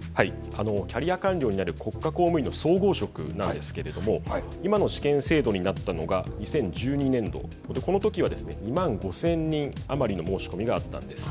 キャリア官僚になる国家公務員の総合職なんですが今の試験制度になったのが２０１２年度このときは２万５０００人余りの申し込みがあったんです。